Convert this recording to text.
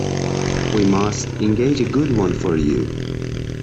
We must engage a good one for you.